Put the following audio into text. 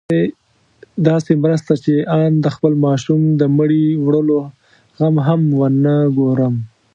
داسې مرسته چې آن د خپل ماشوم د مړي وړلو غم هم ونه ګورم.